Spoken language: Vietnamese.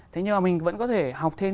thế nhưng mà mình vẫn có thể học thêm